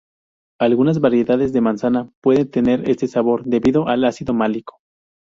Algunas variedades de manzana pueden tener este sabor debido al ácido málico.